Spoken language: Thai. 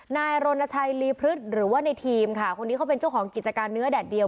นายรณชัยลีพฤษหรือว่าในทีมค่ะคนนี้เขาเป็นเจ้าของกิจการเนื้อแดดเดียว